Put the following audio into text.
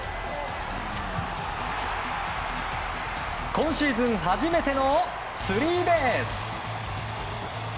今シーズン初めてのスリーベース。